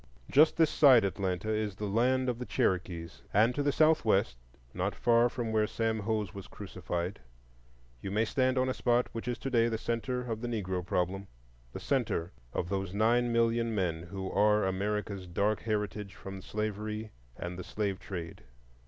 Just this side Atlanta is the land of the Cherokees and to the southwest, not far from where Sam Hose was crucified, you may stand on a spot which is to day the centre of the Negro problem,—the centre of those nine million men who are America's dark heritage from slavery and the slave trade.